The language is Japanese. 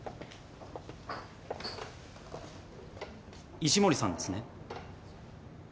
石森さんですね。